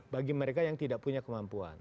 bagi mereka yang tidak punya kemampuan